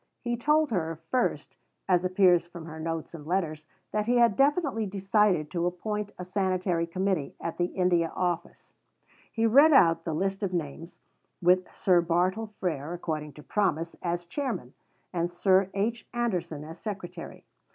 He told her, first, as appears from her notes and letters, that he had definitely decided to appoint a Sanitary Committee at the India Office. He read out the list of names; with Sir Bartle Frere, according to promise, as chairman, and Sir H. Anderson as secretary.